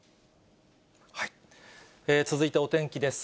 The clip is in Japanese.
続いてお天気です。